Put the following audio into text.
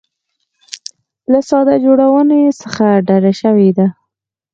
له ساده جوړونې څخه ډډه شوې ده.